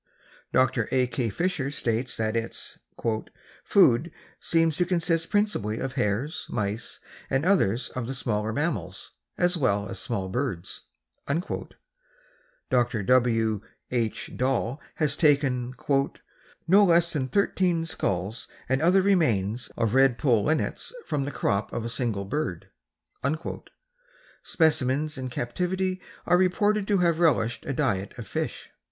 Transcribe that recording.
Dr. A. K. Fisher states that its "food seems to consist principally of hares, mice and others of the smaller mammals as well as small birds." Dr. W. H. Dall has taken "no less than thirteen skulls and other remains of red poll linnets from the crop of a single bird." Specimens in captivity are reported to have relished a diet of fish.